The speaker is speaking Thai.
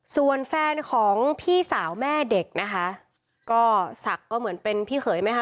ส่วนแฟนของพี่สาวแม่เด็กนะคะก็ศักดิ์ก็เหมือนเป็นพี่เขยไหมคะ